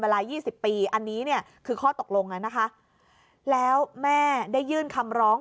เวลา๒๐ปีอันนี้เนี่ยคือข้อตกลงนะคะแล้วแม่ได้ยื่นคำร้อง